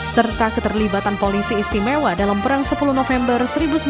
serta keterlibatan polisi istimewa dalam perang sepuluh november seribu sembilan ratus empat puluh